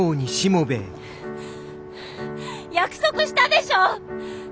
約束したでしょ！